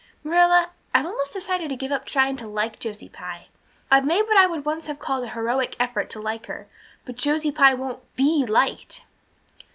Marilla, I've almost decided to give up trying to like Josie Pye. I've made what I would once have called a heroic effort to like her, but Josie Pye won't be liked."